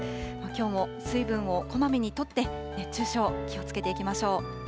きょうも水分をこまめにとって、熱中症、気をつけていきましょう。